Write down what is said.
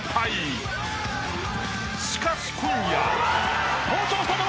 ［しかし今夜］